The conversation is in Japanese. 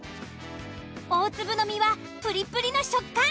大粒の実はプリプリの食感。